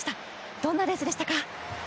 どんなレースでしたか？